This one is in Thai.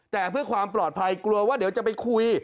แต่เพื่อความปลอดภัยกลัวว่าเดี๋ยวจะไปคุย